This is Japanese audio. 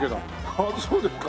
ああそうですか。